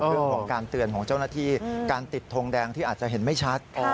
เรื่องของการเตือนของเจ้าหน้าที่การติดทงแดงที่อาจจะเห็นไม่ชัด